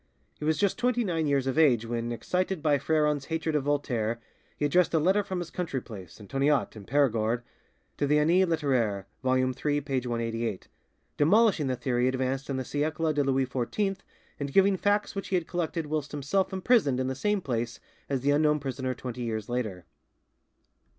He was just twenty nine years of age when, excited by Freron's hatred of Voltaire, he addressed a letter from his country place, Antoniat, in Perigord, to the 'Annee Litteraire' (vol. iii. p. 188), demolishing the theory advanced in the 'Siecle de Louis XIV', and giving facts which he had collected whilst himself imprisoned in the same place as the unknown prisoner twenty years later.